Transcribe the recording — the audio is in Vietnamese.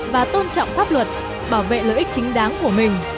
và tôn trọng pháp luật bảo vệ lợi ích chính đáng của mình